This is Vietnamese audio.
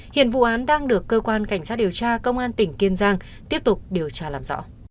hiện vụ án đang được cơ quan cảnh sát điều tra công an tỉnh kiên giang tiếp tục điều tra làm rõ